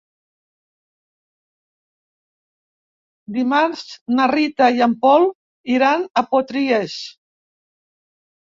Dimarts na Rita i en Pol iran a Potries.